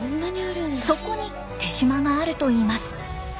そこに手島があるといいます。